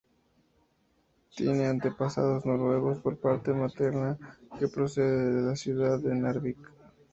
Tiene antepasados noruegos por parte materna, que procede de la ciudad de Narvik.